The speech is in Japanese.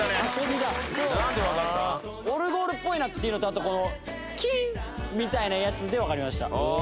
オルゴールっぽいなっていうのとあとこの「キーン」みたいなやつでわかりました。